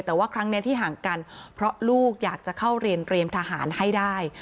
แต่ว่าครั้งนี้ที่ห่างกันเพราะลูกอยากจะเข้าเรียนเตรียมทหารให้ได้